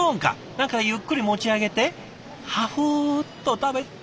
何かゆっくり持ち上げてハフーッと食べた。